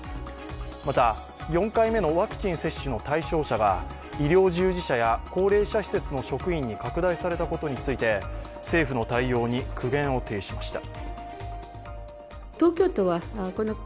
また、４回目のワクチン接種の対象者が医療従事者や高齢者施設の職員に拡大されたことについて政府の対応に苦言を呈しました。